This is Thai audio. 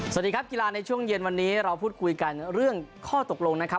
สวัสดีครับกีฬาในช่วงเย็นวันนี้เราพูดคุยกันเรื่องข้อตกลงนะครับ